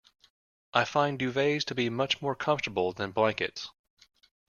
I find duvets to be much more comfortable than blankets